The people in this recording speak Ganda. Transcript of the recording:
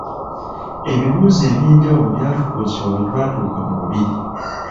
Ebibuuzo ebyenjawulo byatubuuzibwa bwe twatuuka mu lubiri.